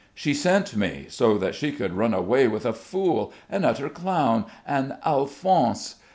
She sent me so that she could run away with a fool, an utter clown, an Alphonse!